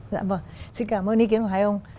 dạ vâng xin cảm ơn ý kiến của hai ông